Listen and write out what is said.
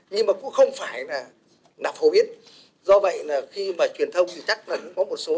nhưng mà cũng không phải là phổ biến do vậy là khi mà truyền thông thì chắc là có một số